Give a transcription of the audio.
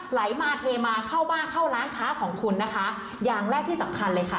ไหลมาเทมาเข้าบ้านเข้าร้านค้าของคุณนะคะอย่างแรกที่สำคัญเลยค่ะ